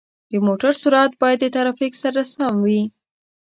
د موټر سرعت باید د ترافیک سره سم وي.